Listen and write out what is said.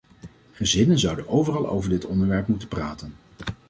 Gezinnen zouden overal over dit onderwerp moeten praten.